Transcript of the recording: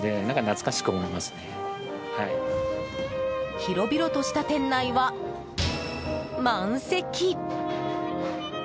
広々とした店内は満席。